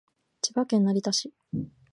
千葉県成田市